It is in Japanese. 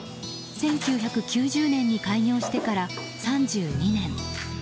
１９９０年に開業してから３２年。